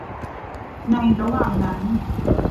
ในระหว่างนั้น